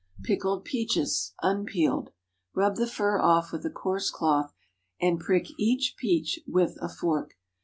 PICKLED PEACHES (unpeeled.) Rub the fur off with a coarse cloth, and prick each peach with a fork.